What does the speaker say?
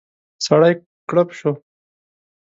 سړی کړپ شو.